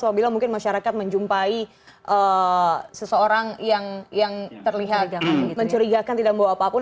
apabila mungkin masyarakat menjumpai seseorang yang terlihat mencurigakan tidak membawa apapun